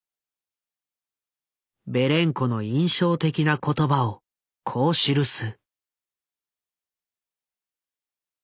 ベレンコの印象的な言葉をこう記す。